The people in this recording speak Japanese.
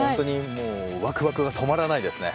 ワクワクが止まらないですね。